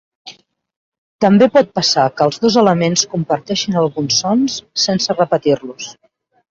També pot passar que els dos elements comparteixin alguns sons, sense repetir-los.